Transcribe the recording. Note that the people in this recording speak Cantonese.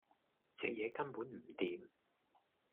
隻嘢根本唔掂